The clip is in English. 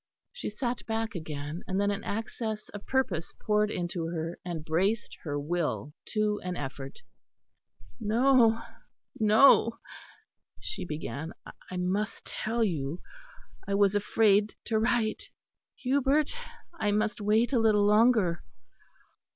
She sat back again; and then an access of purpose poured into her and braced her will to an effort. "No, no," she began, "I must tell you. I was afraid to write. Hubert, I must wait a little longer.